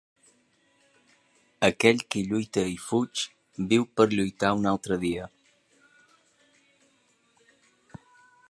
Aquell qui lluita i fuig, viu per lluitar un altre dia.